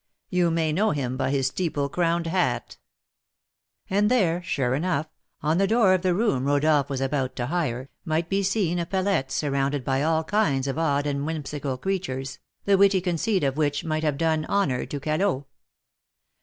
You may know him by his steeple crowned hat." And there, sure enough, on the door of the room Rodolph was about to hire, might be seen a palette surrounded by all kinds of odd and whimsical creatures, the witty conceit of which might have done honour to Callot.